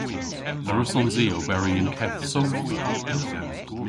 A wrussons i oberi y'n keth sodhva?